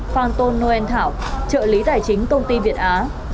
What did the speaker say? bốn phan tôn nguyên thảo trợ lý tài chính công ty việt á